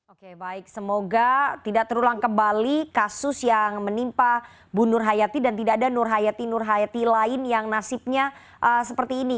oke baik semoga tidak terulang kembali kasus yang menimpa bu nur hayati dan tidak ada nur hayati nur hayati lain yang nasibnya seperti ini